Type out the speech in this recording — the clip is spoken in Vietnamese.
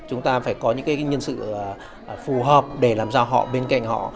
chúng ta phải có những cái nhân sự phù hợp để làm sao họ bên cạnh họ